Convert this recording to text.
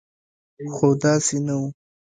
خو داسې نه و.